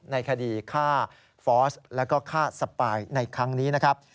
ในคดีฆ่าฟอสแล้วก็ฆ่าสปายในครั้งนี้นะครับ